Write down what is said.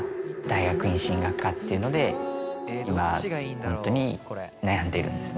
っていうので今ホントに悩んでいるんですね。